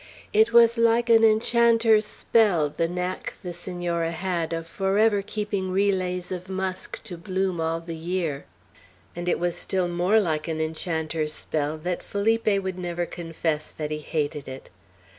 It was like an enchanter's spell, the knack the Senora had of forever keeping relays of musk to bloom all the year; and it was still more like an enchanter's spell, that Felipe would never confess that he hated it.'